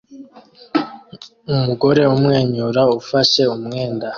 Umugore umwenyura ufashe umwenda